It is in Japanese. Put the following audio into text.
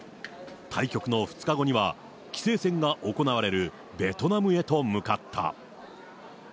対局の２日後には、棋聖戦が行われるベトナムへと向かった。